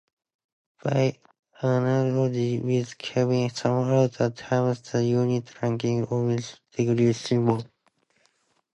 By analogy with kelvin, some authors term the unit "rankine", omitting the degree symbol.